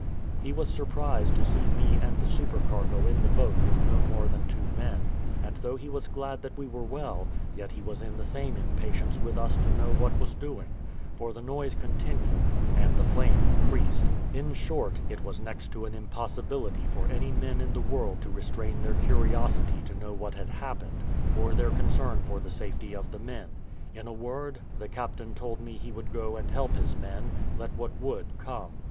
He was surprised to see me and the supercargo in the boat with no more than two men; and though he was glad that we were well, yet he was in the same impatience with us to know what was doing; for the noise continued, and the flame increased; in short, it was next to an impossibility for any men in the world to restrain their curiosity to know what had happened, or their concern for the safety of the men: in a word, the captain told me he would go and help his men, let what would come.